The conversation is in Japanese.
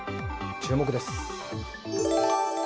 注目です。